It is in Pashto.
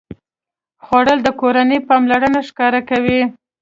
خوړل د کورنۍ پاملرنه ښکاره کوي